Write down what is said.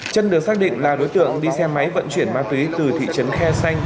chân được xác định là đối tượng đi xe máy vận chuyển ma túy từ thị trấn khe xanh